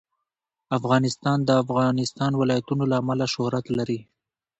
افغانستان د د افغانستان ولايتونه له امله شهرت لري.